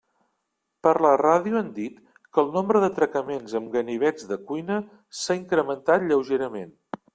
Per la ràdio han dit que el nombre d'atracaments amb ganivets de cuina s'ha incrementat lleugerament.